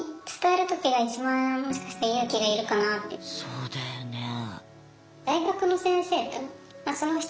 そうだよね。え。